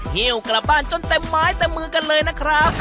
เหี่ยวกลับบ้านจนแต่หมายแต่มือกันเลยนะครับ